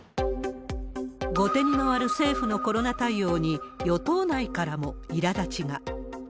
後手に回る政府のコロナ対応に、与党内からもいらだちが。